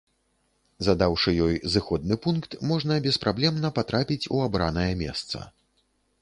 Задаўшы ёй зыходны пункт можна беспраблемна патрапіць у абранае месца.